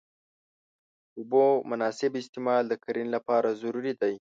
د اوبو مناسب استعمال د کرنې لپاره ضروري دی.